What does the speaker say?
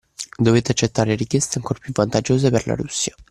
Dovette accettare richieste ancor più vantaggiose per la Russia.